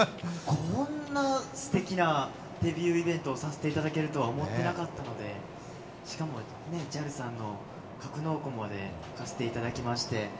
こんなすてきなデビューイベントをさせていただけるとは思っていなかったので、しかもＪＡＬさんの格納庫まで貸していただきまして。